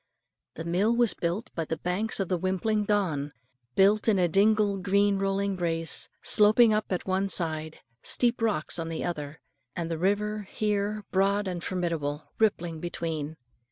The mill was built by the banks of the wimpling Don, built in a dingle, green rolling braes sloping up at one side, steep rocks on the other, and the river, here broad and fordable, rippling between.